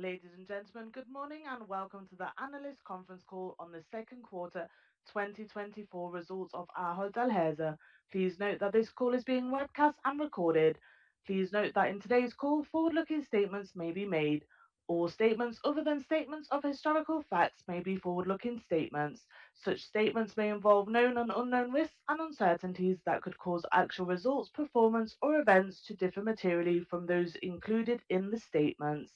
Ladies and gentlemen, good morning and welcome to the Analyst Conference Call on the second quarter 2024 results of Ahold Delhaize. Please note that this call is being webcast and recorded. Please note that in today's call, forward-looking statements may be made. All statements other than statements of historical facts may be forward-looking statements. Such statements may involve known and unknown risks and uncertainties that could cause actual results, performance, or events to differ materially from those included in the statements.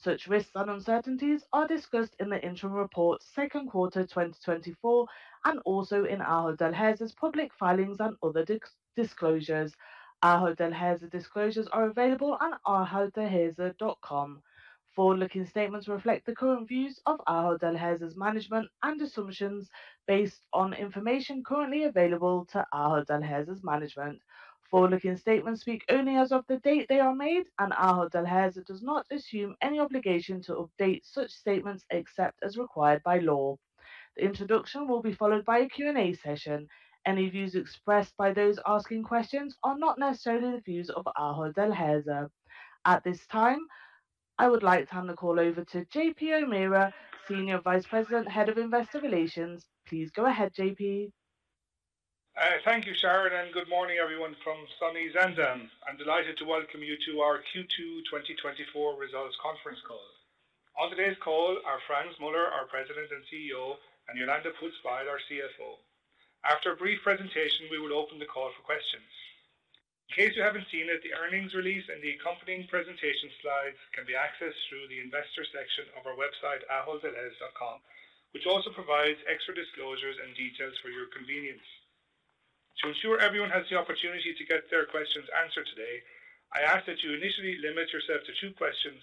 Such risks and uncertainties are discussed in the interim report, second quarter 2024, and also in Ahold Delhaize's public filings and other disclosures. Ahold Delhaize disclosures are available on aholddelhaize.com. Forward-looking statements reflect the current views of Ahold Delhaize's management and assumptions based on information currently available to Ahold Delhaize's management. Forward-looking statements speak only as of the date they are made, and Ahold Delhaize does not assume any obligation to update such statements except as required by law. The introduction will be followed by a Q&A session. Any views expressed by those asking questions are not necessarily the views of Ahold Delhaize. At this time, I would like to hand the call over to J.P. O'Meara, Senior Vice President, Head of Investor Relations. Please go ahead, J.P. Thank you, Sharon, and good morning everyone from sunny Zaandam. I'm delighted to welcome you to our Q2 2024 results conference call. On today's call, Frans Muller, our President and CEO, and Jolanda Poots-Bijl, our CFO. After a brief presentation, we will open the call for questions. In case you haven't seen it, the earnings release and the accompanying presentation slides can be accessed through the investor section of our website, aholddelhaize.com, which also provides extra disclosures and details for your convenience. To ensure everyone has the opportunity to get their questions answered today, I ask that you initially limit yourself to two questions.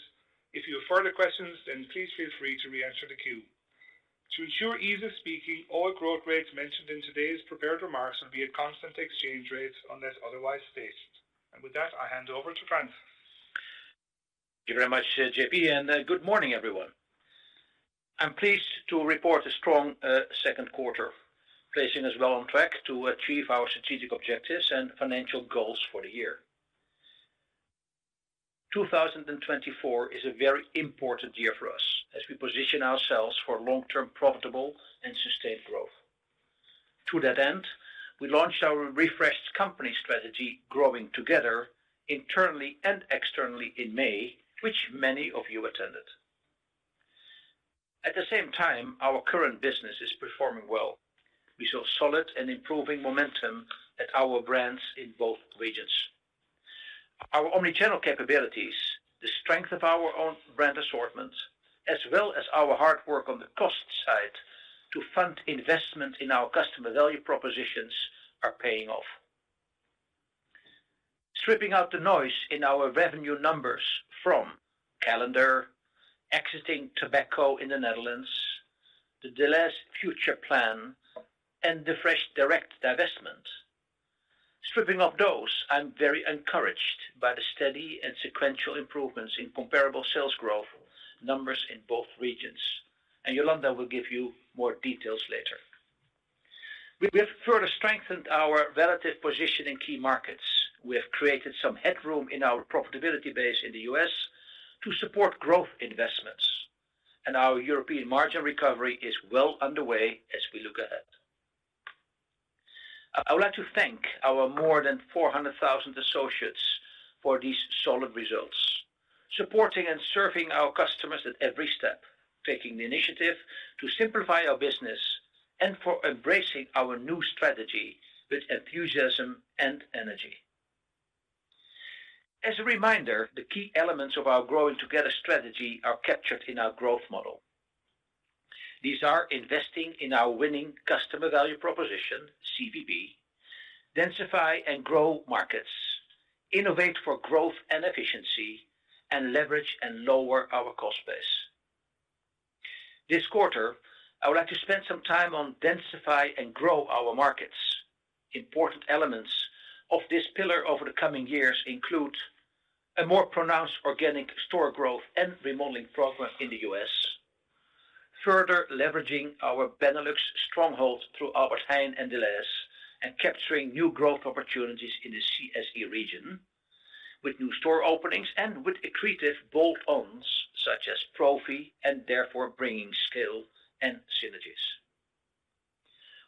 If you have further questions, then please feel free to re-enter the queue. To ensure ease of speaking, all growth rates mentioned in today's prepared remarks will be at constant exchange rates unless otherwise stated. And with that, I hand over to Frans. Thank you very much, JP, and good morning everyone. I'm pleased to report a strong second quarter, placing us well on track to achieve our strategic objectives and financial goals for the year. 2024 is a very important year for us as we position ourselves for long-term profitable and sustained growth. To that end, we launched our refreshed company strategy, Growing Together, internally and externally in May, which many of you attended. At the same time, our current business is performing well. We saw solid and improving momentum at our brands in both regions. Our omnichannel capabilities, the strength of our own brand assortment, as well as our hard work on the cost side to fund investment in our customer value propositions are paying off. Stripping out the noise in our revenue numbers from calendar, exiting tobacco in the Netherlands, the Delhaize future plan, and the FreshDirect divestment. Stripping off those, I'm very encouraged by the steady and sequential improvements in comparable sales growth numbers in both regions. Jolanda will give you more details later. We have further strengthened our relative position in key markets. We have created some headroom in our profitability base in the U.S. to support growth investments. Our European margin recovery is well underway as we look ahead. I would like to thank our more than 400,000 associates for these solid results, supporting and serving our customers at every step, taking the initiative to simplify our business, and for embracing our new strategy with enthusiasm and energy. As a reminder, the key elements of our Growing Together strategy are captured in our growth model. These are investing in our winning customer value proposition, CVP, densify and grow markets, innovate for growth and efficiency, and leverage and lower our cost base. This quarter, I would like to spend some time on Densify and Grow our markets. Important elements of this pillar over the coming years include a more pronounced organic store growth and remodeling program in the US, further leveraging our Benelux stronghold through Albert Heijn and Delhaize, and capturing new growth opportunities in the CSE region with new store openings and with accretive bolt-ons such as Profi, and therefore bringing scale and synergies.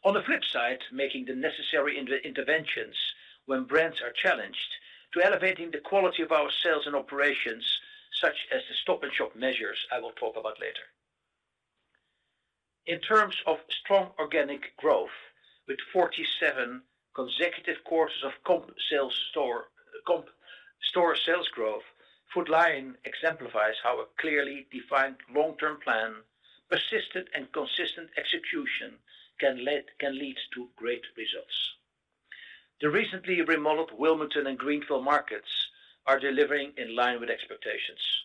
On the flip side, making the necessary interventions when brands are challenged to elevating the quality of our sales and operations, such as the Stop & Shop measures I will talk about later. In terms of strong organic growth, with 47 consecutive quarters of sales growth, Food Lion exemplifies how a clearly defined long-term plan, persistent and consistent execution can lead to great results. The recently remodeled Wilmington and Greenville markets are delivering in line with expectations.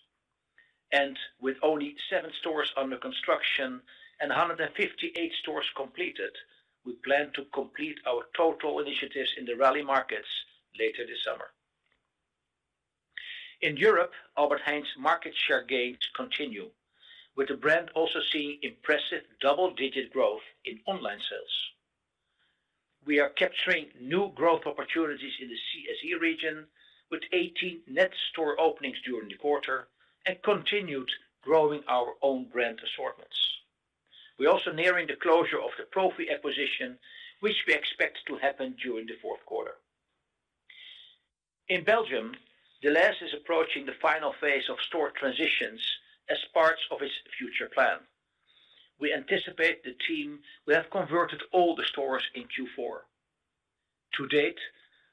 With only 7 stores under construction and 158 stores completed, we plan to complete our total initiatives in the retail markets later this summer. In Europe, Albert Heijn's market share gains continue, with the brand also seeing impressive double-digit growth in online sales. We are capturing new growth opportunities in the CSE region with 18 net store openings during the quarter and continued growing our own brand assortments. We are also nearing the closure of the Profi acquisition, which we expect to happen during the fourth quarter. In Belgium, Delhaize is approaching the final phase of store transitions as part of its future plan. We anticipate the team will have converted all the stores in Q4. To date,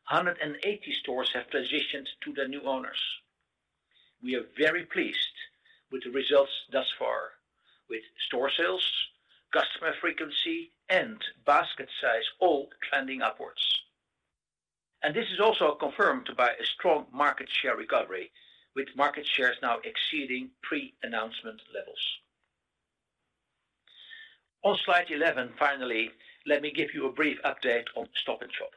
180 stores have transitioned to their new owners. We are very pleased with the results thus far, with store sales, customer frequency, and basket size all trending upwards. This is also confirmed by a strong market share recovery, with market shares now exceeding pre-announcement levels. On slide 11, finally, let me give you a brief update on Stop & Shop.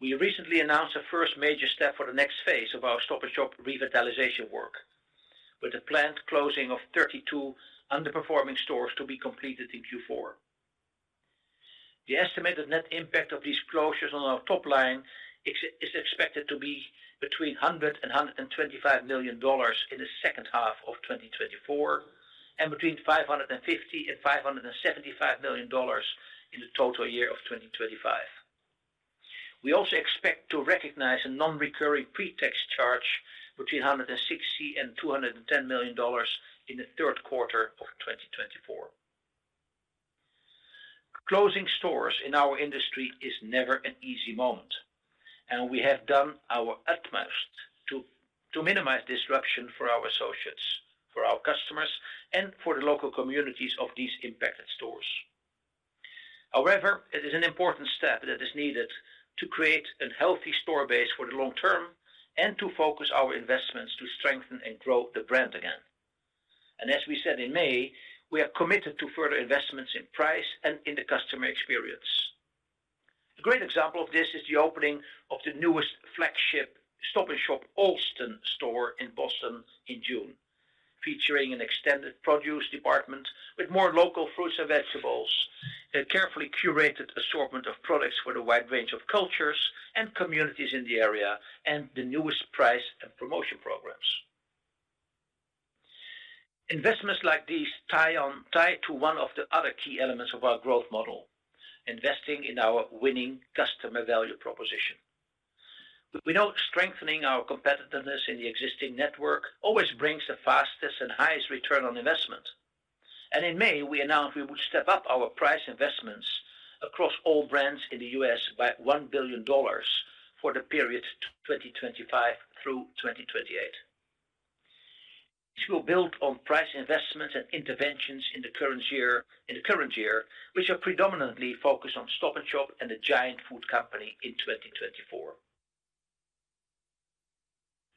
We recently announced a first major step for the next phase of our Stop & Shop revitalization work, with a planned closing of 32 underperforming stores to be completed in Q4. The estimated net impact of these closures on our top line is expected to be between $100-$125 million in the second half of 2024 and between $550-$575 million in the total year of 2025. We also expect to recognize a non-recurring pretax charge between $160-$210 million in the third quarter of 2024. Closing stores in our industry is never an easy moment, and we have done our utmost to minimize disruption for our associates, for our customers, and for the local communities of these impacted stores. However, it is an important step that is needed to create a healthy store base for the long term and to focus our investments to strengthen and grow the brand again. As we said in May, we are committed to further investments in price and in the customer experience. A great example of this is the opening of the newest flagship Stop & Shop Allston store in Boston in June, featuring an extended produce department with more local fruits and vegetables, a carefully curated assortment of products for the wide range of cultures and communities in the area, and the newest price and promotion programs. Investments like these tie to one of the other key elements of our growth model: investing in our winning customer value proposition. We know strengthening our competitiveness in the existing network always brings the fastest and highest return on investment. In May, we announced we would step up our price investments across all brands in the US by $1 billion for the period 2025 through 2028. This will build on price investments and interventions in the current year, which are predominantly focused on Stop & Shop and the Giant Food Company in 2024.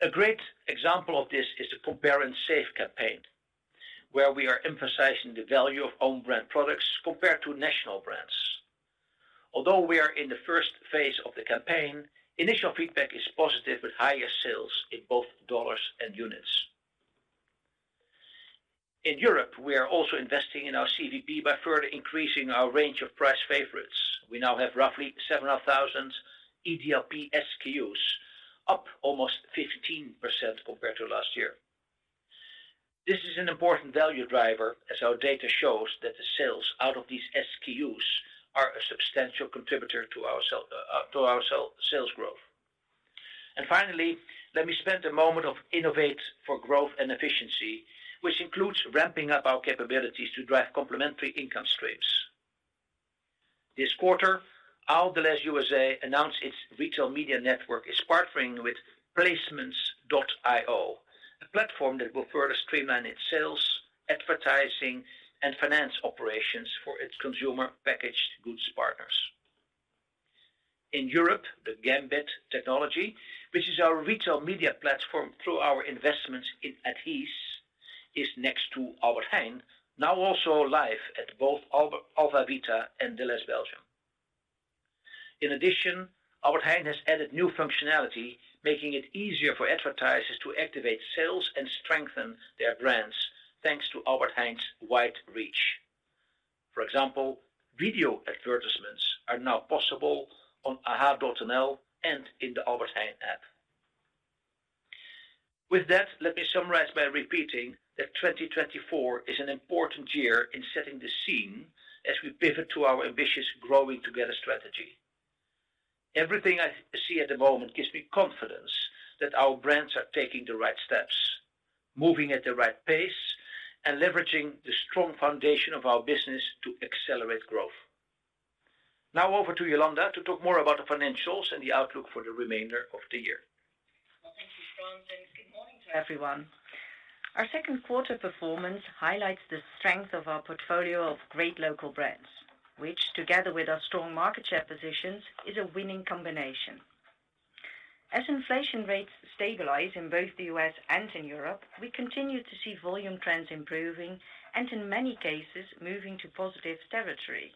A great example of this is the Compare & Save campaign, where we are emphasizing the value of own-brand products compared to national brands. Although we are in the first phase of the campaign, initial feedback is positive, with higher sales in both dollars and units. In Europe, we are also investing in our CVP by further increasing our range of Price Favorites. We now have roughly 700,000 EDLP SKUs, up almost 15% compared to last year. This is an important value driver, as our data shows that the sales out of these SKUs are a substantial contributor to our sales growth. Finally, let me spend a moment on innovate for growth and efficiency, which includes ramping up our capabilities to drive complementary income streams. This quarter, Ahold Delhaize USA announced its retail media network is partnering with Placements.io, a platform that will further streamline its sales, advertising, and finance operations for its consumer packaged goods partners. In Europe, the Gambit technology, which is our retail media platform through our investments in Adhese, next to Albert Heijn, is now also live at both Alfa Beta and Delhaize Belgium. In addition, Albert Heijn has added new functionality, making it easier for advertisers to activate sales and strengthen their brands thanks to Albert Heijn's wide reach. For example, video advertisements are now possible on aha.nl and in the Albert Heijn app. With that, let me summarize by repeating that 2024 is an important year in setting the scene as we pivot to our ambitious Growing Together strategy. Everything I see at the moment gives me confidence that our brands are taking the right steps, moving at the right pace, and leveraging the strong foundation of our business to accelerate growth. Now over to Jolanda to talk more about the financials and the outlook for the remainder of the year. Well, thank you, Frans, and good morning to everyone. Our second quarter performance highlights the strength of our portfolio of great local brands, which, together with our strong market share positions, is a winning combination. As inflation rates stabilize in both the U.S. and in Europe, we continue to see volume trends improving and, in many cases, moving to positive territory.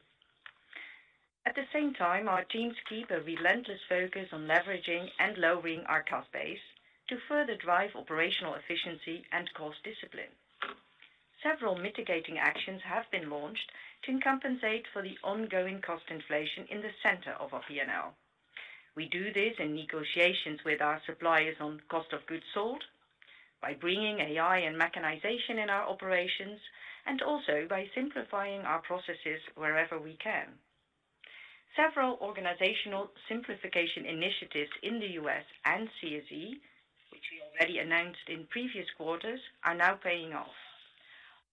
At the same time, our teams keep a relentless focus on leveraging and lowering our cost base to further drive operational efficiency and cost discipline. Several mitigating actions have been launched to compensate for the ongoing cost inflation in the center of our P&L. We do this in negotiations with our suppliers on cost of goods sold, by bringing AI and mechanization in our operations, and also by simplifying our processes wherever we can. Several organizational simplification initiatives in the U.S. and CSE, which we already announced in previous quarters, are now paying off.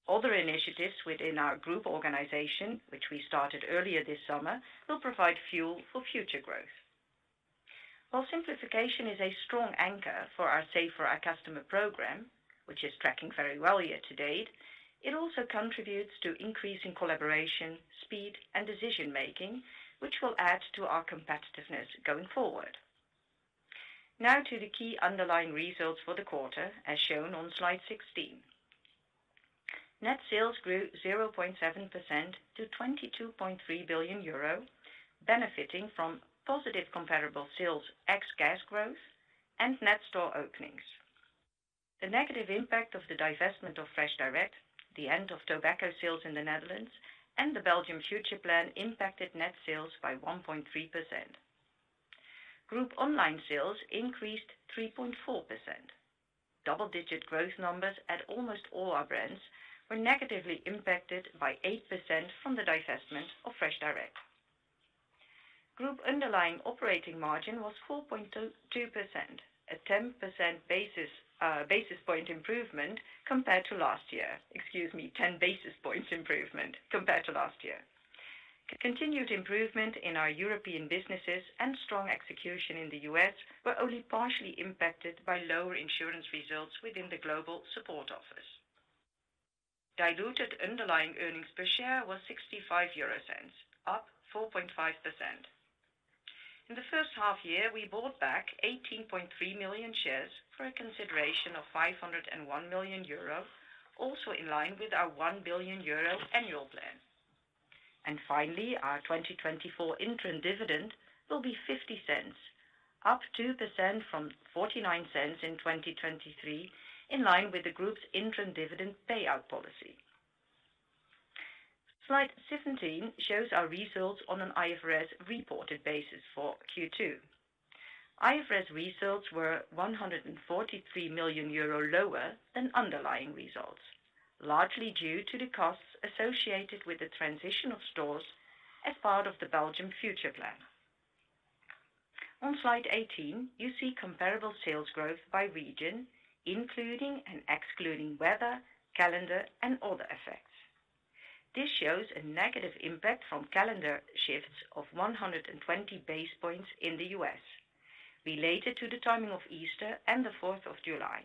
Other initiatives within our group organization, which we started earlier this summer, will provide fuel for future growth. While simplification is a strong anchor for our Save for Our Customer program, which is tracking very well year to date, it also contributes to increasing collaboration, speed, and decision-making, which will add to our competitiveness going forward. Now to the key underlying results for the quarter, as shown on slide 16. Net sales grew 0.7% to 22.3 billion euro, benefiting from positive comparable sales ex-gas growth and net store openings. The negative impact of the divestment of FreshDirect, the end of tobacco sales in the Netherlands, and the Belgium future plan impacted net sales by 1.3%. Group online sales increased 3.4%. Double-digit growth numbers at almost all our brands were negatively impacted by 8% from the divestment of FreshDirect. Group underlying operating margin was 4.2%, a 10 basis point improvement compared to last year. Excuse me, 10 basis points improvement compared to last year. Continued improvement in our European businesses and strong execution in the U.S. were only partially impacted by lower insurance results within the global support office. Diluted underlying earnings per share was €65, up 4.5%. In the first half year, we bought back 18.3 million shares for a consideration of 501 million euro, also in line with our 1 billion euro annual plan. And finally, our 2024 interim dividend will be 0.50, up 2% from 0.49 in 2023, in line with the group's interim dividend payout policy. Slide 17 shows our results on an IFRS-reported basis for Q2. IFRS results were €143 million lower than underlying results, largely due to the costs associated with the transition of stores as part of the Belgium future plan. On slide 18, you see comparable sales growth by region, including and excluding weather, calendar, and other effects. This shows a negative impact from calendar shifts of 120 base points in the U.S., related to the timing of Easter and the 4th of July.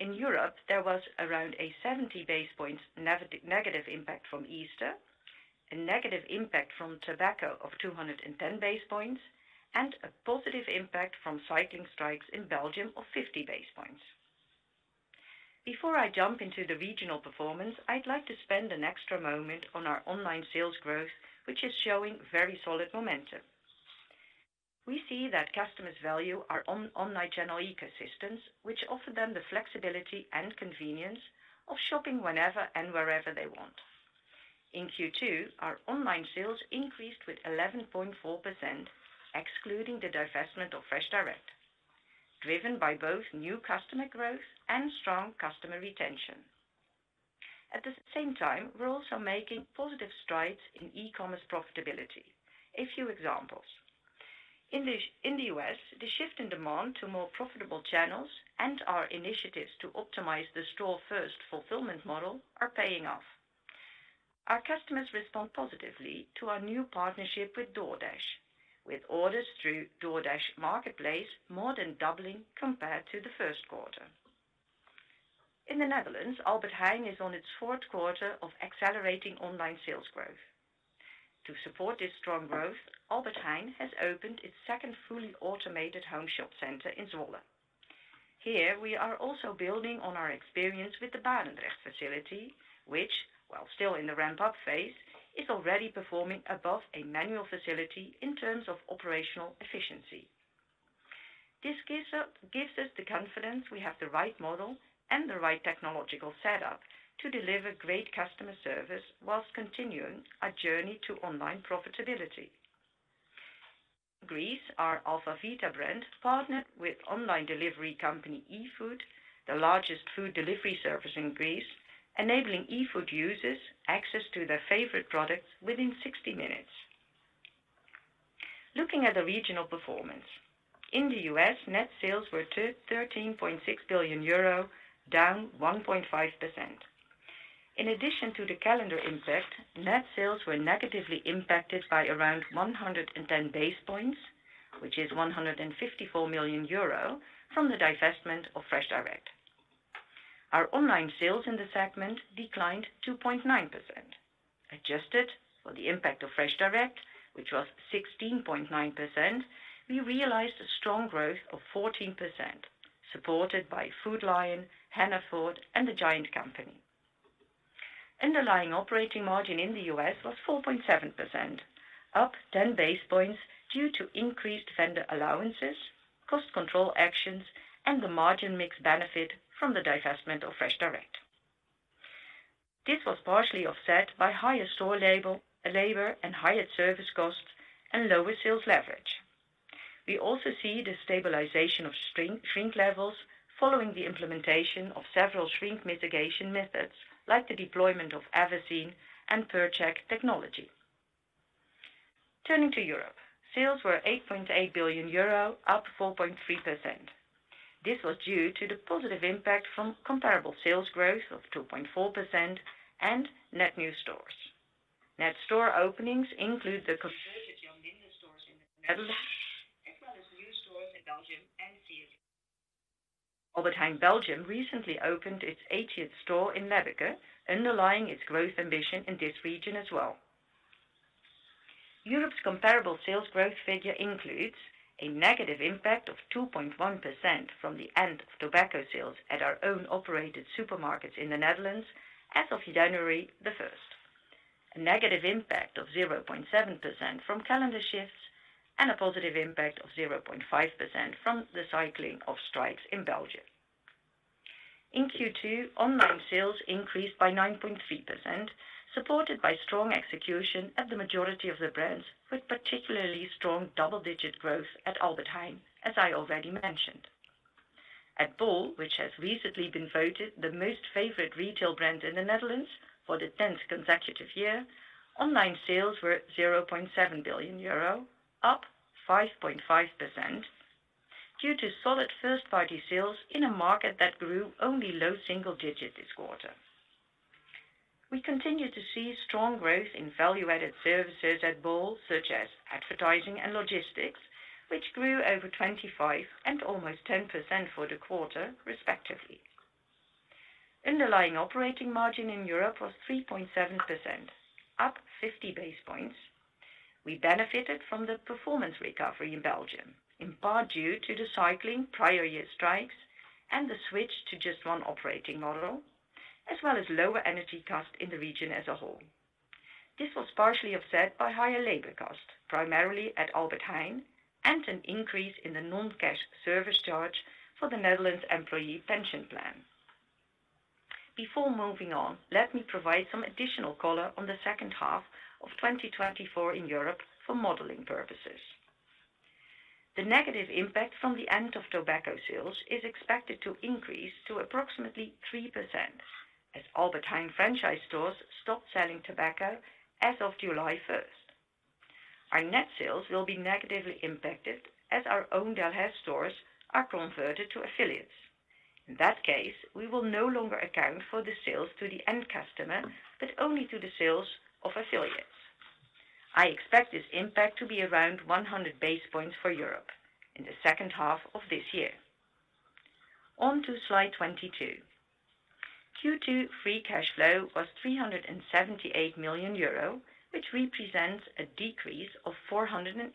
In Europe, there was around a 70 base points negative impact from Easter, a negative impact from tobacco of 210 base points, and a positive impact from cycling strikes in Belgium of 50 base points. Before I jump into the regional performance, I'd like to spend an extra moment on our online sales growth, which is showing very solid momentum. We see that customers value our online channel ecosystems, which offer them the flexibility and convenience of shopping whenever and wherever they want. In Q2, our online sales increased with 11.4%, excluding the divestment of FreshDirect, driven by both new customer growth and strong customer retention. At the same time, we're also making positive strides in e-commerce profitability. A few examples. In the U.S., the shift in demand to more profitable channels and our initiatives to optimize the store-first fulfillment model are paying off. Our customers respond positively to our new partnership with DoorDash, with orders through DoorDash Marketplace more than doubling compared to the first quarter. In the Netherlands, Albert Heijn is on its fourth quarter of accelerating online sales growth. To support this strong growth, Albert Heijn has opened its second fully automated home shop center in Zwolle. Here, we are also building on our experience with the Barendrecht facility, which, while still in the ramp-up phase, is already performing above a manual facility in terms of operational efficiency. This gives us the confidence we have the right model and the right technological setup to deliver great customer service while continuing our journey to online profitability. Greece, our Alfa Beta brand, partnered with online delivery company efood, the largest food delivery service in Greece, enabling efood users access to their favorite products within 60 minutes. Looking at the regional performance, in the U.S., net sales were 13.6 billion euro, down 1.5%. In addition to the calendar impact, net sales were negatively impacted by around 110 base points, which is 154 million euro from the divestment of FreshDirect. Our online sales in the segment declined 2.9%. Adjusted for the impact of FreshDirect, which was 16.9%, we realized a strong growth of 14%, supported by Food Lion, Hannaford, and The Giant Company. Underlying operating margin in the U.S. was 4.7%, up 10 basis points due to increased vendor allowances, cost control actions, and the margin mix benefit from the divestment of FreshDirect. This was partially offset by higher store labor and higher service costs and lower sales leverage. We also see the stabilization of shrink levels following the implementation of several shrink mitigation methods, like the deployment of AVACEN and Purchek technology. Turning to Europe, sales were €8.8 billion, up 4.3%. This was due to the positive impact from comparable sales growth of 2.4% and net new stores. Net store openings include the convenience stores in the Netherlands as well as new stores in Belgium and Serbia. Albert Heijn Belgium recently opened its 80th store in Liedekerke, underlying its growth ambition in this region as well. Europe's comparable sales growth figure includes a negative impact of 2.1% from the end of tobacco sales at our own operated supermarkets in the Netherlands as of January 1st, a negative impact of 0.7% from calendar shifts, and a positive impact of 0.5% from the cycling of strikes in Belgium. In Q2, online sales increased by 9.3%, supported by strong execution at the majority of the brands, with particularly strong double-digit growth at Albert Heijn, as I already mentioned. At Bol, which has recently been voted the most favorite retail brand in the Netherlands for the 10th consecutive year, online sales were 0.7 billion euro, up 5.5%, due to solid first-party sales in a market that grew only low single digit this quarter. We continue to see strong growth in value-added services at bol, such as advertising and logistics, which grew over 25% and almost 10% for the quarter, respectively. Underlying operating margin in Europe was 3.7%, up 50 basis points. We benefited from the performance recovery in Belgium, in part due to the cycling prior year strikes and the switch to just one operating model, as well as lower energy costs in the region as a whole. This was partially offset by higher labor costs, primarily at Albert Heijn, and an increase in the non-cash service charge for the Netherlands employee pension plan. Before moving on, let me provide some additional color on the second half of 2024 in Europe for modeling purposes. The negative impact from the end of tobacco sales is expected to increase to approximately 3%, as Albert Heijn franchise stores stopped selling tobacco as of July 1st. Our net sales will be negatively impacted as our own Delhaize stores are converted to affiliates. In that case, we will no longer account for the sales to the end customer, but only to the sales of affiliates. I expect this impact to be around 100 basis points for Europe in the second half of this year. On to slide 22. Q2 free cash flow was €378 million, which represents a decrease of €486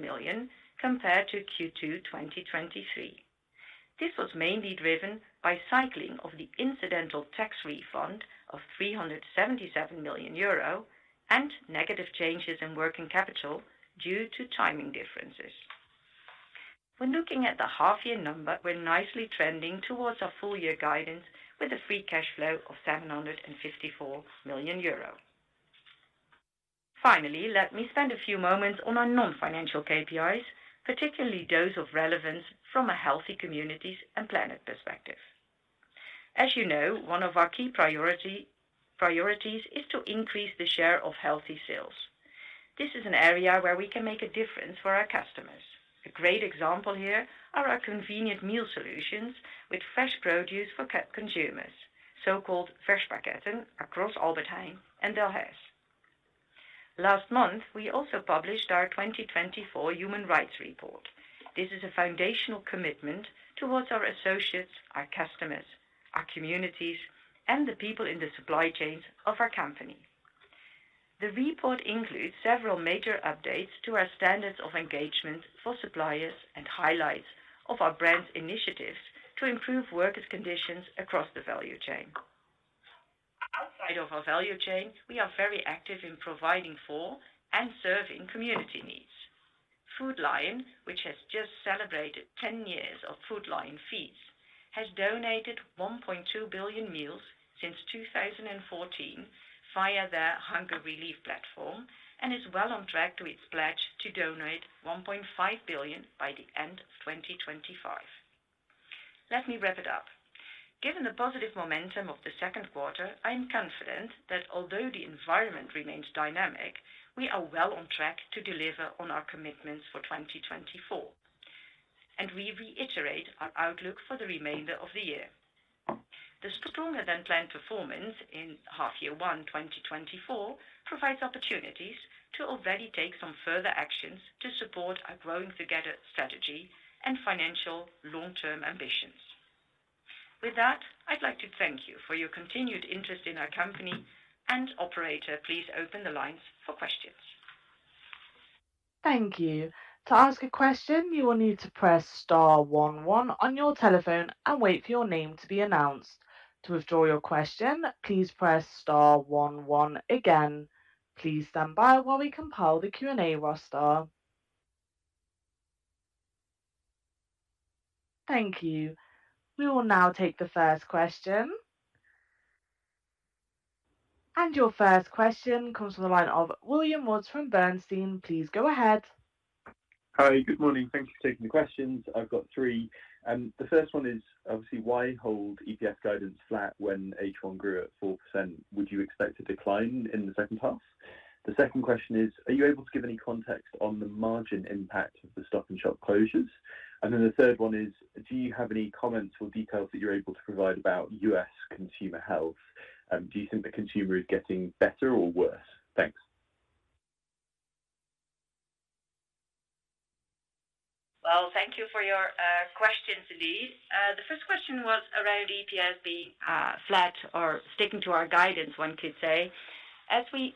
million compared to Q2 2023. This was mainly driven by cycling of the incidental tax refund of €377 million and negative changes in working capital due to timing differences. When looking at the half-year number, we're nicely trending towards our full-year guidance with a free cash flow of €754 million. Finally, let me spend a few moments on our non-financial KPIs, particularly those of relevance from a healthy communities and planet perspective. As you know, one of our key priorities is to increase the share of healthy sales. This is an area where we can make a difference for our customers. A great example here are our convenient meal solutions with fresh produce for consumers, so-called verspakketten, across Albert Heijn and Delhaize. Last month, we also published our 2024 Human Rights Report. This is a foundational commitment towards our associates, our customers, our communities, and the people in the supply chains of our company. The report includes several major updates to our standards of engagement for suppliers and highlights of our brand's initiatives to improve workers' conditions across the value chain. Outside of our value chain, we are very active in providing for and serving community needs. Food Lion, which has just celebrated 10 years of Food Lion Feeds, has donated 1.2 billion meals since 2014 via their Hunger Relief platform and is well on track to its pledge to donate 1.5 billion by the end of 2025. Let me wrap it up. Given the positive momentum of the second quarter, I am confident that although the environment remains dynamic, we are well on track to deliver on our commitments for 2024, and we reiterate our outlook for the remainder of the year. The stronger-than-planned performance in half-year one 2024 provides opportunities to already take some further actions to support our Growing Together strategy and financial long-term ambitions. With that, I'd like to thank you for your continued interest in our company and, operator. Please open the lines for questions. Thank you. To ask a question, you will need to press star 11 on your telephone and wait for your name to be announced. To withdraw your question, please press star 11 again. Please stand by while we compile the Q&A roster. Thank you. We will now take the first question. And your first question comes from the line of William Woods from Bernstein. Please go ahead. Hi, good morning. Thank you for taking the questions. I've got three. The first one is, obviously, why hold EPS guidance flat when H1 grew at 4%? The second question is, are you able to give any context on the margin impact of the Stop & Shop closures? And then the third one is, do you have any comments or details that you're able to provide about U.S. consumer health? Do you think the consumer is getting better or worse? Thanks. Well, thank you for your questions, William. The first question was around EPS being flat or sticking to our guidance, one could say. As we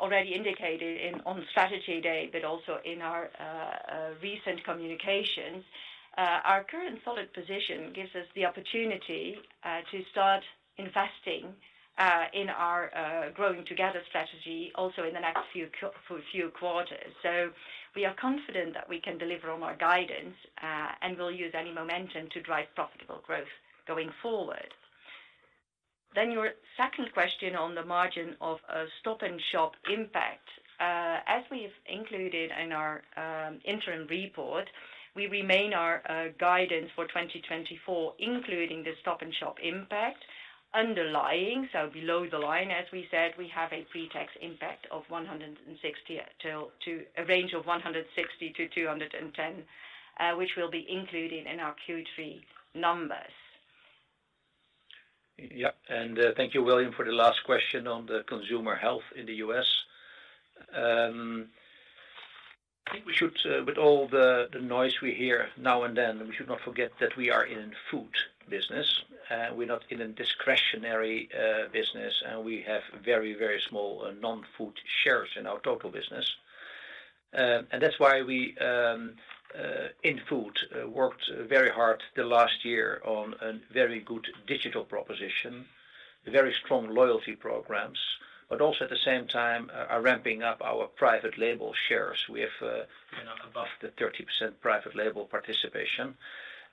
already indicated on strategy day, but also in our recent communications, our current solid position gives us the opportunity to start investing in our Growing Together strategy also in the next few quarters. So we are confident that we can deliver on our guidance and will use any momentum to drive profitable growth going forward. Then your second question on the margin of a Stop & Shop impact. As we've included in our interim report, we remain our guidance for 2024, including the Stop & Shop impact underlying, so below the line, as we said, we have a pretax impact of 160 million to a range of 160 million-210 million, which we'll be including in our Q3 numbers. Yep. And thank you, William, for the last question on the consumer health in the U.S.. I think we should, with all the noise we hear now and then, we should not forget that we are in food business. We're not in a discretionary business, and we have very, very small non-food shares in our total business. And that's why we, in food, worked very hard the last year on a very good digital proposition, very strong loyalty programs, but also at the same time are ramping up our private label shares. We have above the 30% private label participation.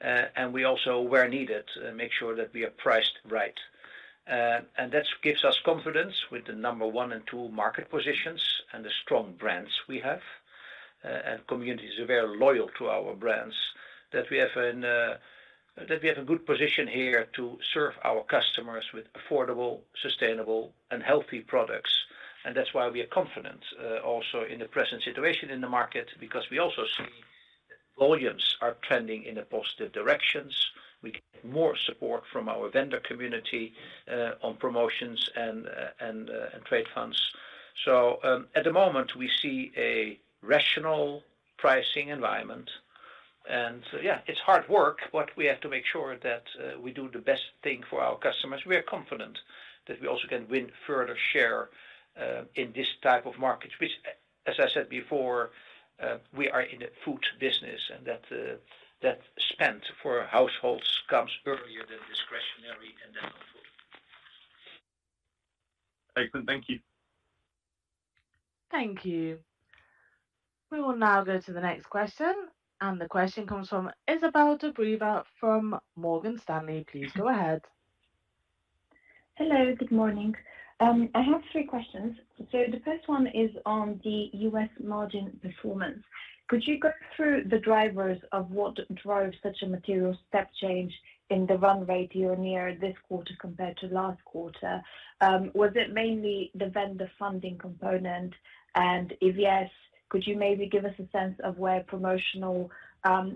And we also, where needed, make sure that we are priced right. That gives us confidence with the number 1 and 2 market positions and the strong brands we have and communities who are very loyal to our brands, that we have a good position here to serve our customers with affordable, sustainable, and healthy products. That's why we are confident also in the present situation in the market, because we also see that volumes are trending in a positive direction. We get more support from our vendor community on promotions and trade funds. At the moment, we see a rational pricing environment. Yeah, it's hard work, but we have to make sure that we do the best thing for our customers. We are confident that we also can win further share in this type of market, which, as I said before, we are in the food business and that spend for households comes earlier than discretionary and then on food. Excellent. Thank you. Thank you. We will now go to the next question. And the question comes from Izabel Dobreva from Morgan Stanley. Please go ahead. Hello, good morning. I have three questions. So the first one is on the U.S. margin performance. Could you go through the drivers of what drove such a material step change in the run rate here near this quarter compared to last quarter? Was it mainly the vendor funding component? And if yes, could you maybe give us a sense of where promotional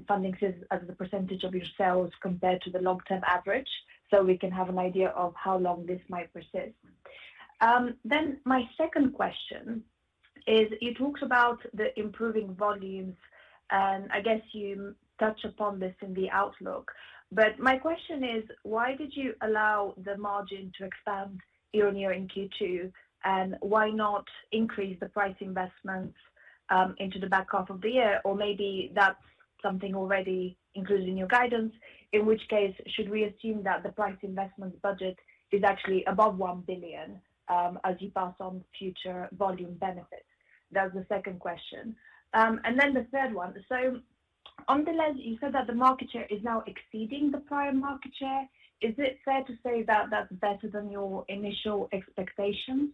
funding is as a percentage of your sales compared to the long-term average? So we can have an idea of how long this might persist. Then my second question is, you talked about the improving volumes, and I guess you touched upon this in the outlook. But my question is, why did you allow the margin to expand here near in Q2, and why not increase the price investments into the back half of the year? Or maybe that's something already included in your guidance, in which case should we assume that the price investment budget is actually above 1 billion as you pass on future volume benefits? That's the second question. And then the third one. So on Delhaize, you said that the market share is now exceeding the prior market share. Is it fair to say that that's better than your initial expectations?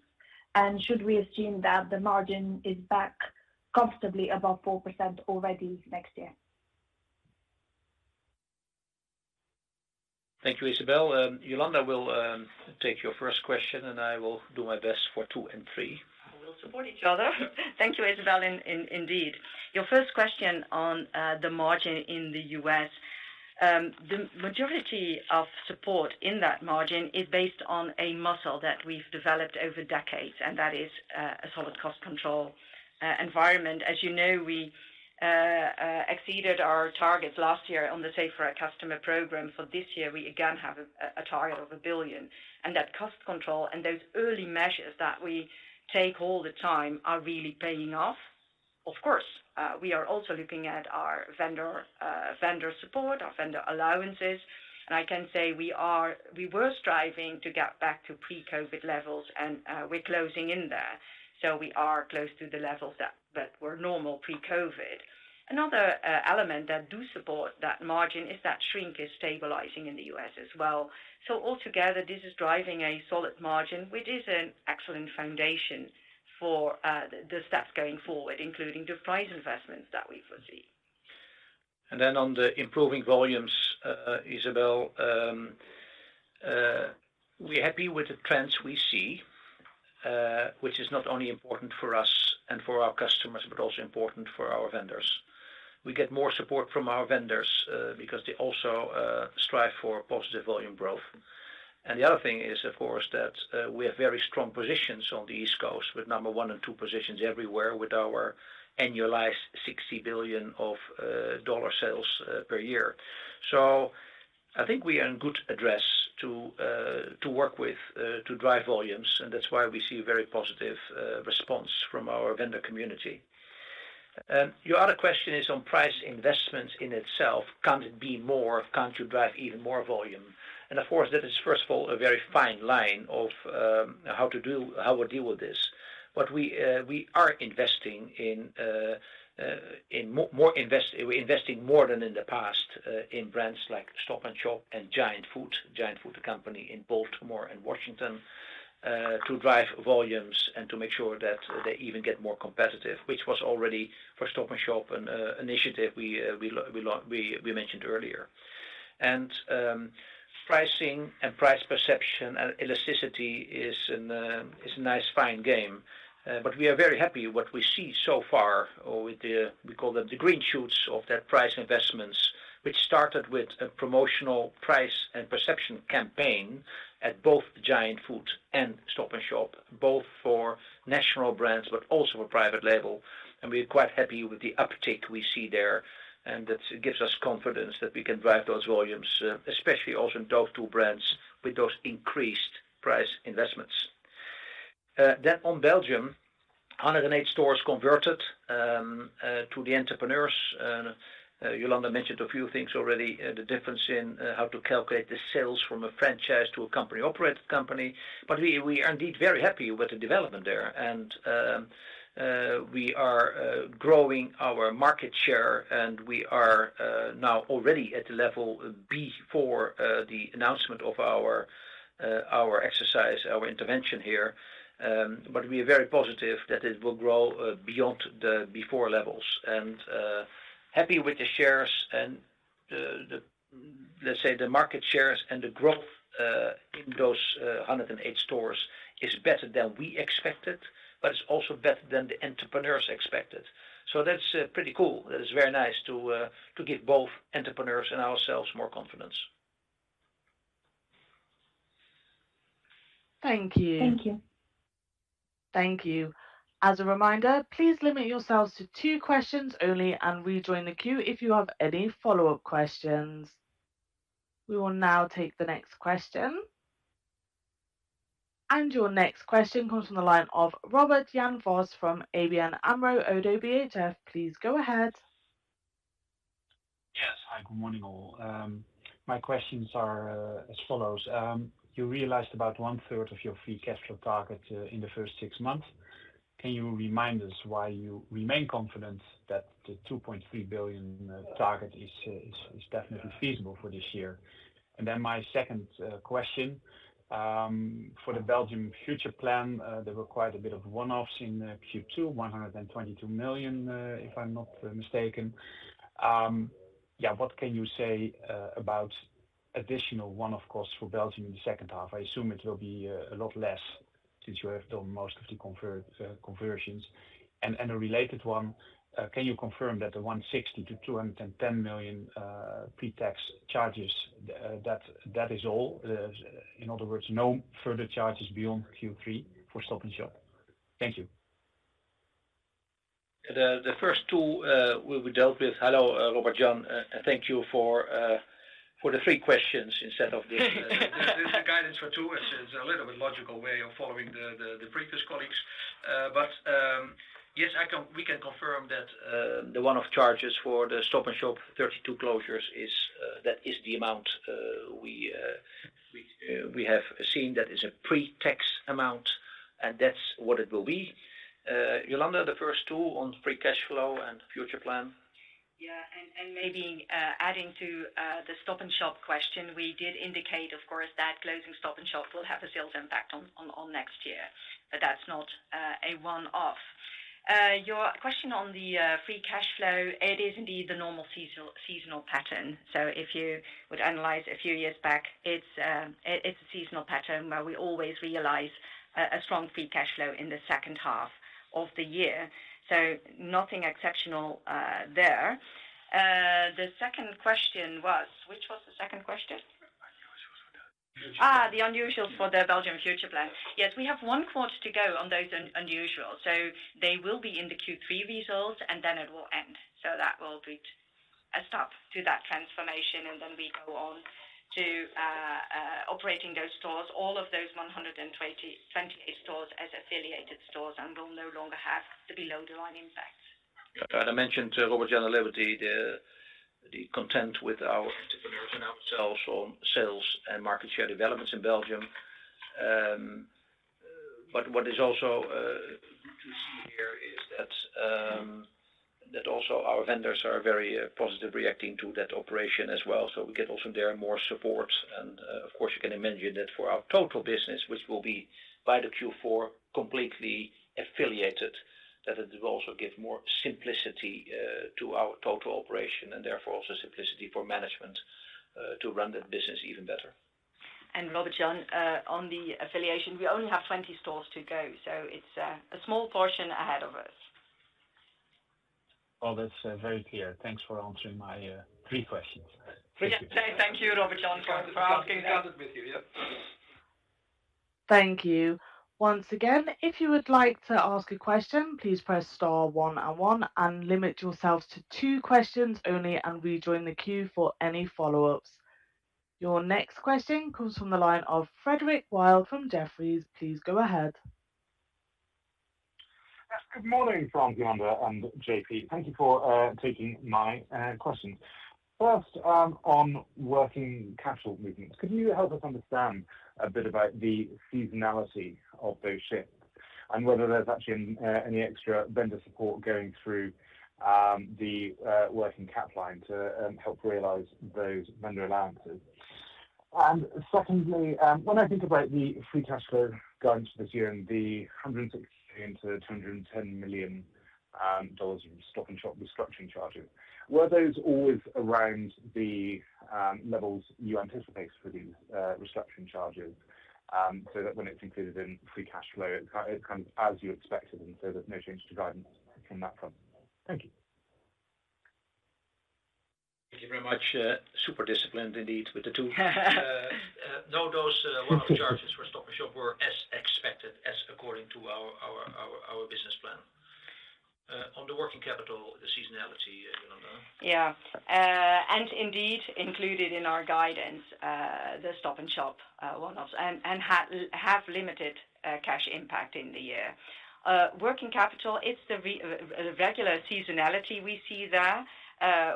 And should we assume that the margin is back comfortably above 4% already next year? Thank you, Isabelle. Jolanda will take your first question, and I will do my best for two and three. We'll support each other. Thank you, Izabel, indeed. Your first question on the margin in the U.S., the majority of support in that margin is based on a muscle that we've developed over decades, and that is a solid cost control environment. As you know, we exceeded our targets last year on the Save for Our Customer program. For this year, we again have a target of 1 billion. And that cost control and those early measures that we take all the time are really paying off. Of course, we are also looking at our vendor support, our vendor allowances. And I can say we were striving to get back to pre-COVID levels, and we're closing in there. So we are close to the levels that were normal pre-COVID. Another element that does support that margin is that shrink is stabilizing in the U.S. as well. So altogether, this is driving a solid margin, which is an excellent foundation for the steps going forward, including the price investments that we foresee. And then on the improving volumes, Izabel, we're happy with the trends we see, which is not only important for us and for our customers, but also important for our vendors. We get more support from our vendors because they also strive for positive volume growth. And the other thing is, of course, that we have very strong positions on the East Coast with number one and two positions everywhere with our annualized $60 billion in sales per year. So I think we are in good address to work with to drive volumes, and that's why we see a very positive response from our vendor community. Your other question is on price investments in itself. Can't it be more? Can't you drive even more volume? And of course, that is, first of all, a very fine line of how we deal with this. But we are investing in more than in the past in brands like Stop & Shop and Giant Food, Giant Food Company in Baltimore and Washington, to drive volumes and to make sure that they even get more competitive, which was already for Stop & Shop initiative we mentioned earlier. And pricing and price perception and elasticity is a nice fine game. But we are very happy what we see so far with the, we call them the green shoots of that price investments, which started with a promotional price and perception campaign at both Giant Food and Stop & Shop, both for national brands, but also for private label. We're quite happy with the uptick we see there, and that gives us confidence that we can drive those volumes, especially also in those two brands with those increased price investments. Then on Belgium, 108 stores converted to the entrepreneurs. Jolanda mentioned a few things already, the difference in how to calculate the sales from a franchise to a company-operated company. But we are indeed very happy with the development there, and we are growing our market share, and we are now already at the level before the announcement of our exercise, our intervention here. But we are very positive that it will grow beyond the before levels. And happy with the shares and, let's say, the market shares and the growth in those 108 stores is better than we expected, but it's also better than the entrepreneurs expected. So that's pretty cool. That is very nice to give both entrepreneurs and ourselves more confidence. Thank you. Thank you. Thank you. As a reminder, please limit yourselves to two questions only and rejoin the queue if you have any follow-up questions. We will now take the next question. And your next question comes from the line of Robert Jan Vos from ABN AMRO ODDO BHF. Please go ahead. Yes. Hi, good morning all. My questions are as follows. You realized about one-third of your free cash flow target in the first six months. Can you remind us why you remain confident that the 2.3 billion target is definitely feasible for this year? And then my second question, for the Belgium future plan, there were quite a bit of one-offs in Q2, 122 million, if I'm not mistaken. Yeah, what can you say about additional one-off costs for Belgium in the second half? I assume it will be a lot less since you have done most of the conversions. And a related one, can you confirm that the $160 million-$210 million pretax charges, that is all? In other words, no further charges beyond Q3 for Stop & Shop. Thank you. The first two we dealt with. Hello, Robert Jan. Thank you for the three questions instead of the guidance for two. It's a little bit logical way of following the previous colleagues. But yes, we can confirm that the one-off charges for the Stop & Shop 32 closures, that is the amount we have seen that is a pretax amount, and that's what it will be. Jolanda, the first two on free cash flow and future plan. Yeah. Maybe adding to the Stop & Shop question, we did indicate, of course, that closing Stop & Shop will have a sales impact on next year, but that's not a one-off. Your question on the free cash flow, it is indeed the normal seasonal pattern. So if you would analyze a few years back, it's a seasonal pattern where we always realize a strong free cash flow in the second half of the year. So nothing exceptional there. The second question was, which was the second question? The unusuals for the future, the unusual for the Belgium future plan. Yes, we have one quarter to go on those unusual. So they will be in the Q3 results, and then it will end. That will be a stop to that transformation, and then we go on to operating those stores, all of those 128 stores as affiliated stores and will no longer have the below-the-line impacts. I mentioned Robert Jan Vos with the content with our entrepreneurs and ourselves on sales and market share developments in Belgium. But what is also good to see here is that also our vendors are very positively reacting to that operation as well. So we get also there more support. And of course, you can imagine that for our total business, which will be by the Q4 completely affiliated, that it will also give more simplicity to our total operation and therefore also simplicity for management to run that business even better. And Robert Jan Vos, on the affiliation, we only have 20 stores to go. So it's a small portion ahead of us. Well, that's very clear. Thanks for answering my three questions. Thank you, Robert Jan, for asking. Thank you. Thank you. Once again, if you would like to ask a question, please press star one and one and limit yourselves to two questions only and rejoin the queue for any follow-ups. Your next question comes from the line of Frederick Wild from Jefferies. Please go ahead. Good morning, Frans, Jolanda, and JP. Thank you for taking my questions. First, on working capital movements, could you help us understand a bit about the seasonality of those shifts and whether there's actually any extra vendor support going through the working cap line to help realize those vendor allowances? And secondly, when I think about the free cash flow going into this year, the $160 million-$210 million of Stop & Shop restructuring charges, were those always around the levels you anticipate for these restructuring charges so that when it's included in free cash flow, it's kind of as you expected and so there's no change to guidance from that front? Thank you. Thank you very much. Super disciplined indeed with the two. No, those one-off charges for Stop & Shop were as expected, as according to our business plan. On the working capital, the seasonality, Jolanda? Yeah. And indeed included in our guidance, the Stop & Shop one-offs and have limited cash impact in the year. Working capital, it's the regular seasonality we see there.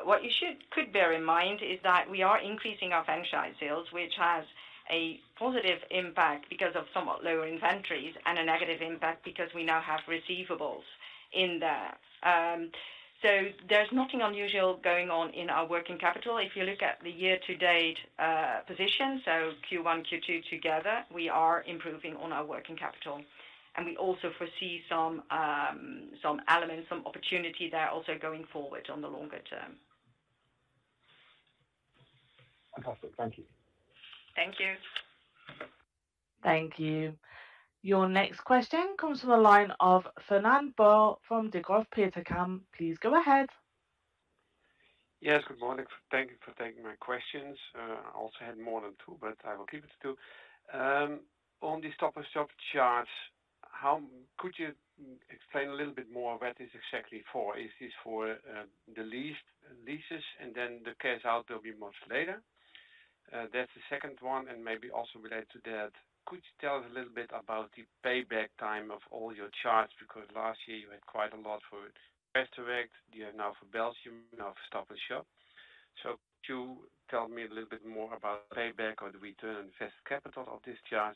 What you should bear in mind is that we are increasing our franchise sales, which has a positive impact because of somewhat lower inventories and a negative impact because we now have receivables in there. So there's nothing unusual going on in our working capital. If you look at the year-to-date position, so Q1, Q2 together, we are improving on our working capital. And we also foresee some elements, some opportunity there also going forward on the longer term. Fantastic. Thank you. Thank you. Thank you. Your next question comes from the line of Fernand de Boer from Degroof Petercam. Please go ahead. Yes, good morning. Thank you for taking my questions. I also had more than two, but I will keep it to two. On the Stop & Shop charges, could you explain a little bit more what this is exactly for? Is this for the leases and then the cash out will be much later? That's the second one, and maybe also related to that, could you tell us a little bit about the payback time of all your capex? Because last year you had quite a lot for FreshDirect, you have now for Belgium, now for Stop & Shop. So could you tell me a little bit more about payback or the return on invested capital of these capex?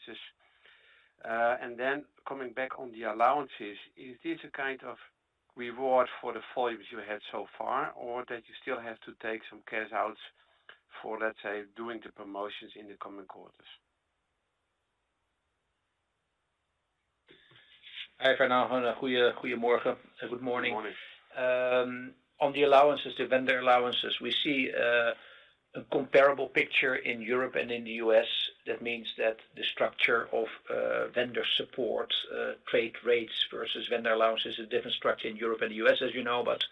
And then coming back on the allowances, is this a kind of reward for the volumes you had so far, or that you still have to take some cash outs for, let's say, doing the promotions in the coming quarters? Hi, Fernand. Goedemorgen. Good morning. On the allowances, the vendor allowances, we see a comparable picture in Europe and in the U.S.. That means that the structure of vendor support, trade rates versus vendor allowances, is a different structure in Europe and the U.S., as you know. But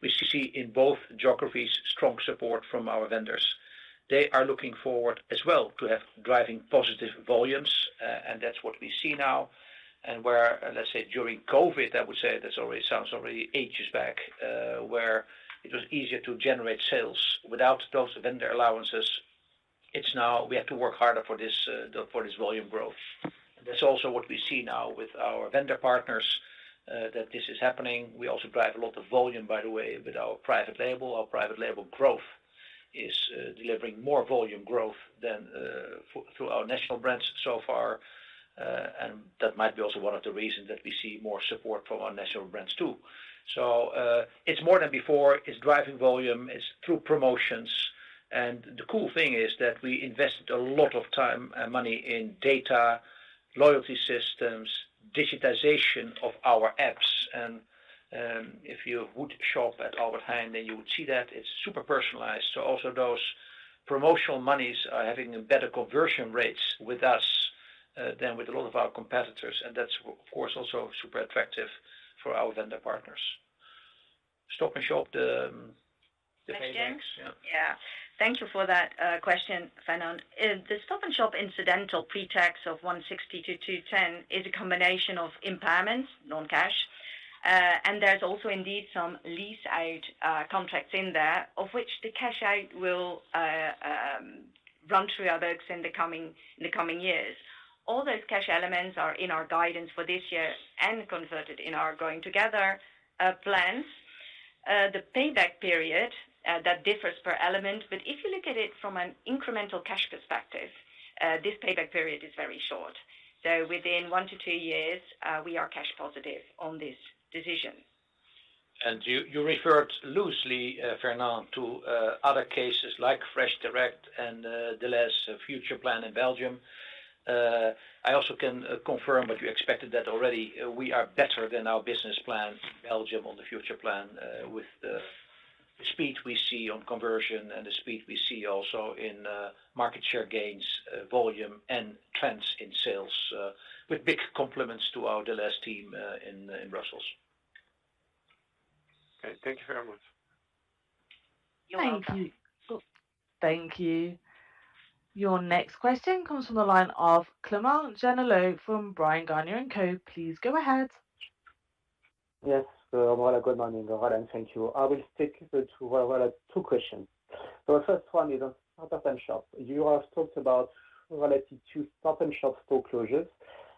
we see in both geographies strong support from our vendors. They are looking forward as well to driving positive volumes, and that's what we see now. And where, let's say, during COVID, I would say that sounds already ages back, where it was easier to generate sales without those vendor allowances, it's now we have to work harder for this volume growth. That's also what we see now with our vendor partners that this is happening. We also drive a lot of volume, by the way, with our private label. Our private label growth is delivering more volume growth than through our national brands so far. That might be also one of the reasons that we see more support from our national brands too. So it's more than before. It's driving volume. It's through promotions. And the cool thing is that we invested a lot of time and money in data, loyalty systems, digitization of our apps. And if you would shop at Albert Heijn, then you would see that it's super personalized. So also those promotional monies are having better conversion rates with us than with a lot of our competitors. And that's, of course, also super attractive for our vendor partners. Stop & Shop, the payback? Yeah. Thank you for that question, Fernand. The Stop & Shop incidental pretax of 160 million-210 million is a combination of impairments, non-cash. And there's also indeed some lease-out contracts in there, of which the cash out will run through our books in the coming years. All those cash elements are in our guidance for this year and converted in our Growing Together plans. The payback period, that differs per element, but if you look at it from an incremental cash perspective, this payback period is very short. So within one to two years, we are cash positive on this decision. And you referred loosely, Fernand, to other cases like FreshDirect and the last future plan in Belgium. I also can confirm what you expected that already. We are better than our business plan in Belgium on the future plan with the speed we see on conversion and the speed we see also in market share gains, volume, and trends in sales, with big compliments to our Delhaize team in Brussels. Okay. Thank you very much. Thank you. Thank you. Your next question comes from the line of Clément Genelot from Bryan, Garnier & Co. Please go ahead. Yes. Good morning, Jolanda. Thank you. I will stick to two questions. The first one is on Stop & Shop. You have talked about relative to Stop & Shop store closures,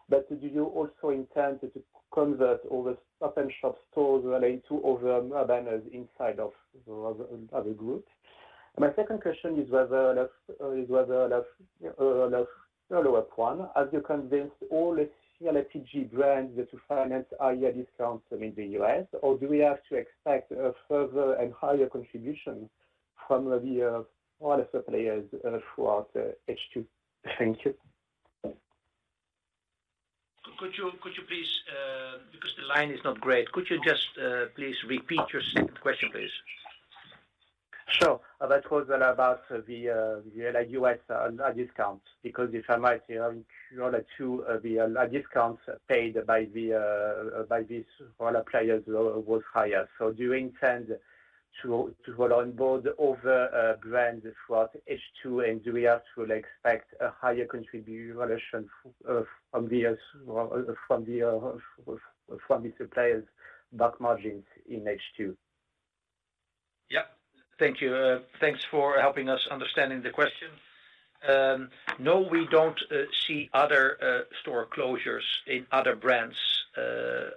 but do you also intend to convert all the Stop & Shop stores related to overabundant inside of the other group? My second question is whether, follow-up one, have you convinced all the CPG brands to finance higher discounts in the U.S., or do we have to expect a further and higher contribution from the other players throughout H2? Thank you. Could you please, because the line is not great, could you just please repeat your second question, please? Sure. I've heard about the U.S. discounts because, if I'm right, the discounts paid by these players was higher. So do you intend to roll on board other brands throughout H2, and do we have to expect a higher contribution from the suppliers' back margins in H2? Yep. Thank you. Thanks for helping us understand the question. No, we don't see other store closures in other brands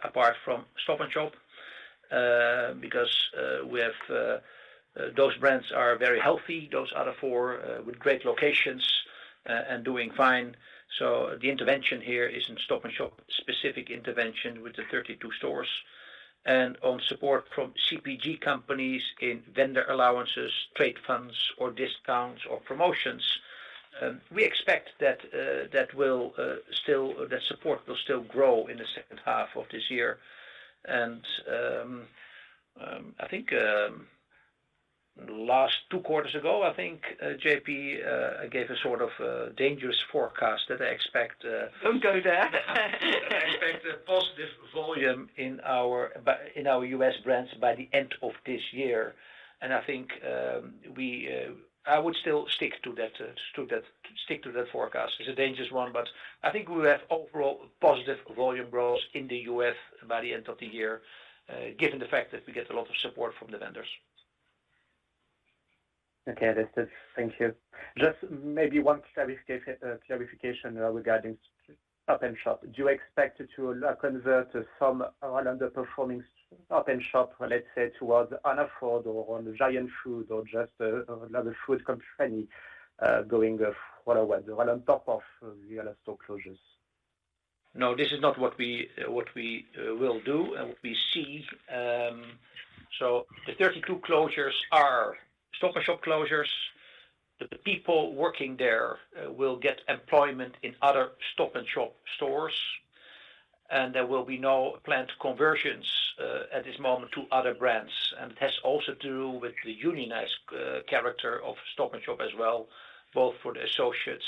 apart from Stop & Shop because those brands are very healthy. Those other 4 with great locations and doing fine. So the intervention here isn't Stop & Shop-specific intervention with the 32 stores. On support from CPG companies in vendor allowances, trade funds, or discounts or promotions, we expect that support will still grow in the second half of this year. And I think last two quarters ago, I think JP gave a sort of dangerous forecast that I expect. Don't go there. I expect a positive volume in our U.S. brands by the end of this year. And I think I would still stick to that forecast. It's a dangerous one, but I think we will have overall positive volume growth in the U.S. by the end of the year, given the fact that we get a lot of support from the vendors. Okay. Thank you. Just maybe one clarification regarding Stop & Shop. Do you expect to convert some other underperforming Stop & Shop, let's say, towards Hannaford or Giant Food or just another food company going forward on top of the other store closures? No, this is not what we will do and what we see. So the 32 closures are Stop & Shop closures. The people working there will get employment in other Stop & Shop stores, and there will be no planned conversions at this moment to other brands. It has also to do with the unionized character of Stop & Shop as well, both for the associates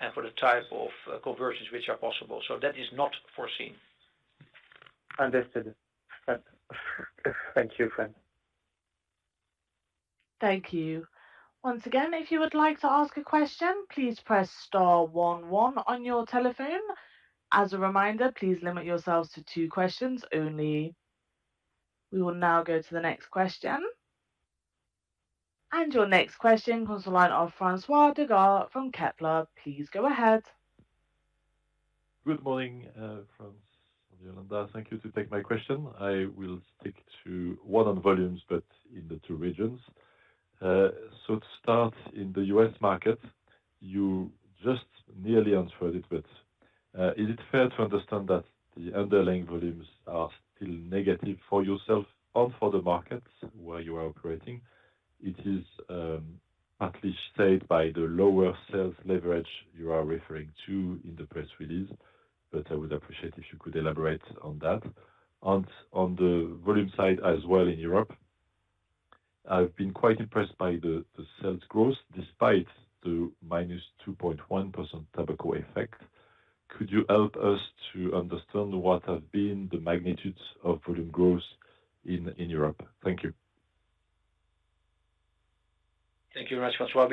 and for the type of conversions which are possible. So that is not foreseen. Understood. Thank you, Fern. Thank you. Once again, if you would like to ask a question, please press star one-one on your telephone. As a reminder, please limit yourselves to two questions only. We will now go to the next question. And your next question comes from the line of François Digard from Kepler. Please go ahead. Good morning, Frans, Jolanda. Thank you for taking my question. I will stick to one on volumes, but in the two regions. So to start, in the U.S market, you just nearly answered it, but is it fair to understand that the underlying volumes are still negative for yourself and for the markets where you are operating? It is partly stated by the lower sales leverage you are referring to in the press release, but I would appreciate if you could elaborate on that. And on the volume side as well in Europe, I've been quite impressed by the sales growth despite the -2.1% tobacco effect. Could you help us to understand what have been the magnitudes of volume growth in Europe? Thank you. Thank you very much, François.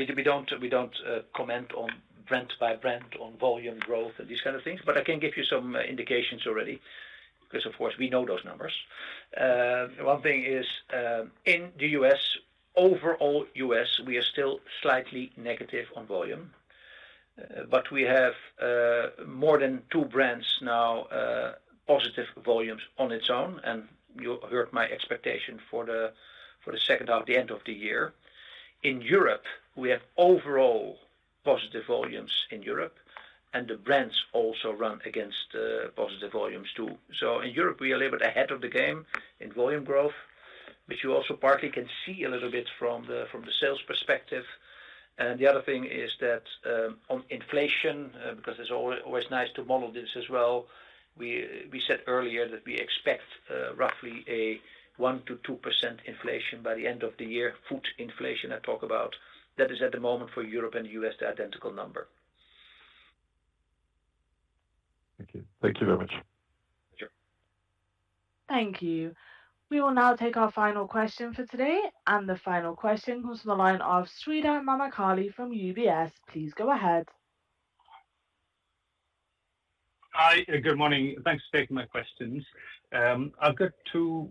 We don't comment on brand by brand on volume growth and these kind of things, but I can give you some indications already because, of course, we know those numbers. One thing is, in the U.S., overall U.S., we are still slightly negative on volume, but we have more than two brands now positive volumes on its own, and you heard my expectation for the second half, the end of the year. In Europe, we have overall positive volumes in Europe, and the brands also run against positive volumes too. So in Europe, we are a little bit ahead of the game in volume growth, which you also partly can see a little bit from the sales perspective. And the other thing is that on inflation, because it's always nice to model this as well, we said earlier that we expect roughly 1%-2% inflation by the end of the year, food inflation I talk about. That is at the moment for Europe and the U.S., the identical number. Thank you. Thank you very much. Thank you. We will now take our final question for today. And the final question comes from the line of Sreedhar Mahamkali from UBS. Please go ahead. Hi. Good morning. Thanks for taking my questions. I've got two,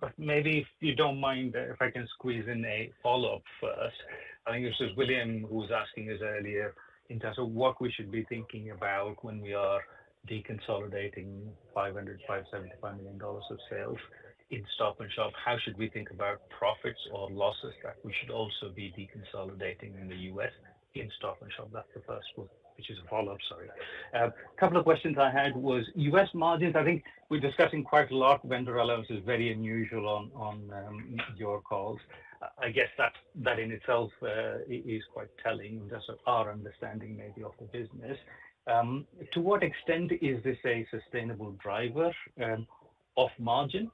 but maybe if you don't mind, if I can squeeze in a follow-up first. I think this is William who was asking us earlier in terms of what we should be thinking about when we are deconsolidating $575 million of sales in Stop & Shop. How should we think about profits or losses that we should also be deconsolidating in the U.S. in Stop & Shop? That's the first one, which is a follow-up, sorry. A couple of questions I had was U.S. margins. I think we're discussing quite a lot. Vendor allowance is very unusual on your calls. I guess that in itself is quite telling in terms of our understanding maybe of the business. To what extent is this a sustainable driver of margin,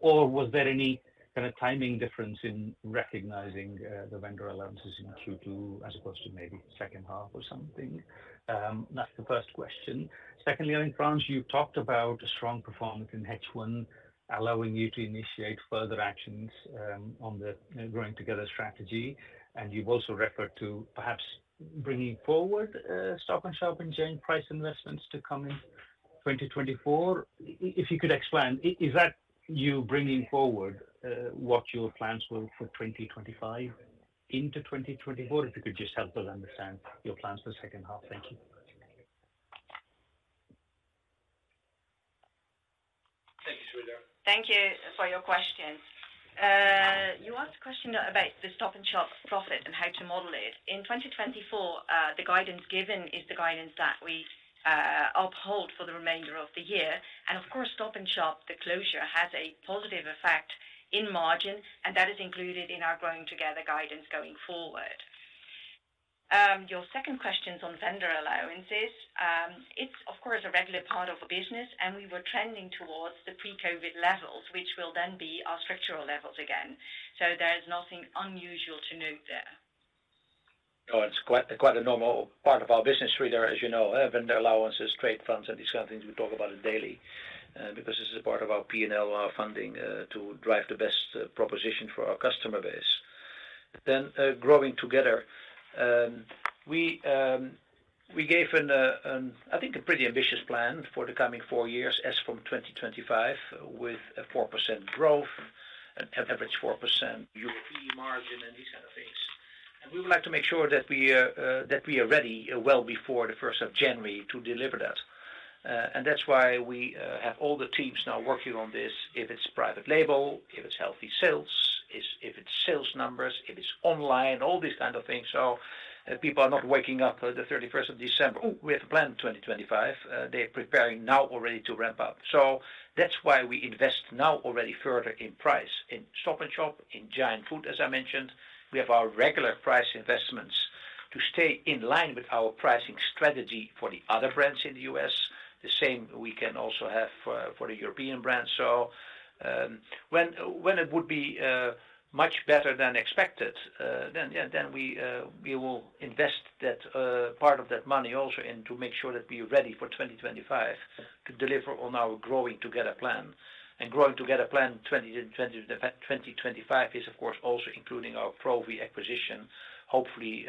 or was there any kind of timing difference in recognizing the vendor allowances in Q2 as opposed to maybe second half or something? That's the first question. Secondly, I think, Frans, you've talked about a strong performance in H1, allowing you to initiate further actions on the Growing Together strategy. And you've also referred to perhaps bringing forward Stop & Shop and Giant investments to come in 2024. If you could expand, is that you bringing forward what your plans were for 2025 into 2024? If you could just help us understand your plans for the second half. Thank you. Thank you, Sreedhar. Thank you for your questions. You asked a question about the Stop & Shop profit and how to model it. In 2024, the guidance given is the guidance that we uphold for the remainder of the year. Of course, Stop & Shop, the closure has a positive effect in margin, and that is included in our Growing Together guidance going forward. Your second question is on vendor allowances. It's, of course, a regular part of a business, and we were trending towards the pre-COVID levels, which will then be our structural levels again. There is nothing unusual to note there. No, it's quite a normal part of our business, Sreedhar, as you know. Vendor allowances, trade funds, and these kind of things we talk about daily because this is a part of our P&L funding to drive the best proposition for our customer base. Then Growing Together, we gave, I think, a pretty ambitious plan for the coming four years as from 2025 with a 4% growth, an average 4% European margin, and these kind of things. We would like to make sure that we are ready well before the 1st of January to deliver that. That's why we have all the teams now working on this, if it's private label, if it's healthy sales, if it's sales numbers, if it's online, all these kind of things. People are not waking up the 31st of December, "Oh, we have a plan in 2025." They're preparing now already to ramp up. That's why we invest now already further in price in Stop & Shop, in Giant Food, as I mentioned. We have our regular price investments to stay in line with our pricing strategy for the other brands in the U.S. The same we can also have for the European brands. So when it would be much better than expected, then we will invest that part of that money also into make sure that we are ready for 2025 to deliver on our Growing Together plan. And Growing Together plan 2025 is, of course, also including our Profi acquisition, hopefully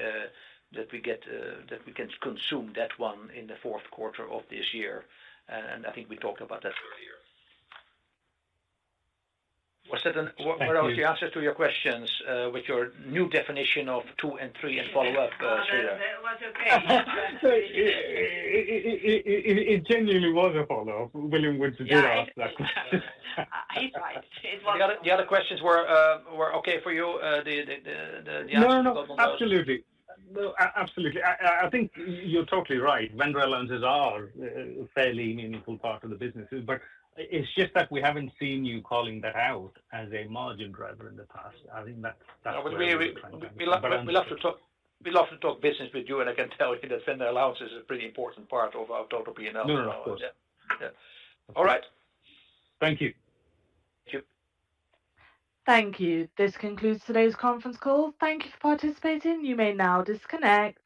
that we can consummate that one in the fourth quarter of this year. And I think we talked about that earlier. Was that what I was the answer to your questions with your new definition of two and three and follow-up, Sreedhar? It was okay. It genuinely was a follow-up. William would do that. He's right. The other questions were okay for you? The answer is not on those. No, no, no. Absolutely. Absolutely. I think you're totally right. Vendor allowances are a fairly meaningful part of the business, but it's just that we haven't seen you calling that out as a margin driver in the past. I think that's a very good point. We love to talk business with you, and I can tell you that vendor allowances is a pretty important part of our total P&L. No, no, no. Yeah. All right. Thank you. Thank you. Thank you. This concludes today's conference call. Thank you for participating. You may now disconnect.